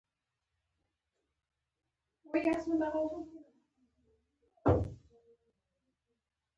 دغه نقشونه شاوخوا نهه زره کاله پخواني دي.